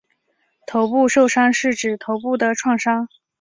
头部受伤是指头部的创伤。